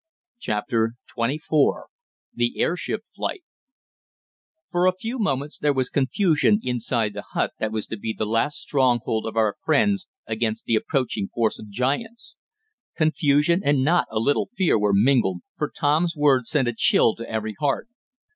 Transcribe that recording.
CHAPTER XXIV THE AIRSHIP FLIGHT For a few moments there was confusion inside the hut that was to be the last stronghold of our friends against the approaching force of giants. Confusion and not a little fear were mingled, for Tom's words sent a chill to every heart.